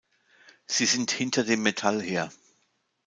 Sie sind hinter dem Metall her.